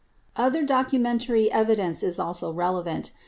Other documentary evidence is also relevant.